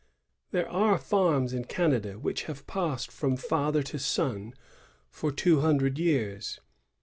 There are farms in Canada which have passed from father to son for two hundred years.